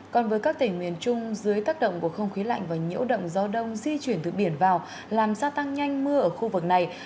còn với các tỉnh miền trung dưới tác động của không khí lạnh và nhiễu động gió đông di chuyển từ biển vào làm gia tăng nhanh mưa ở khu vực này